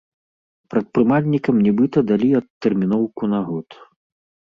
Прадпрымальнікам нібыта далі адтэрміноўку на год.